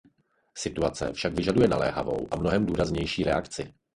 Situace však vyžaduje naléhavou a mnohem důraznější reakci.